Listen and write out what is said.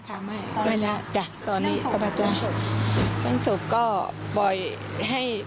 ว่าเรื่องอะไรหรือแม่